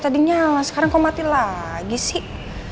tadi nyala sekarang kok mati lagi sih